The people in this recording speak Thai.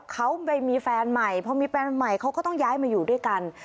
เขาไปมีแฟนใหม่พอมีแฟนใหม่เขาก็ต้องย้ายมาอยู่ด้วยกัน